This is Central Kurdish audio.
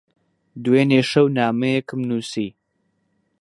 دوێنێ شەو نامەیەکم نووسی.